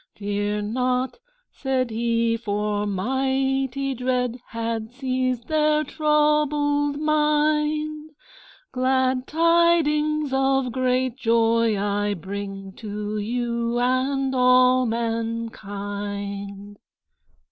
'Fear not,' said he (for mighty dread. Had seized their troubled mind); 'Glad tidings of great joy I bring To you and all mankind.'